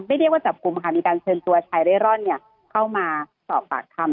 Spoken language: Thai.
เรียกว่าจับกลุ่มค่ะมีการเชิญตัวชายเร่ร่อนเข้ามาสอบปากคำ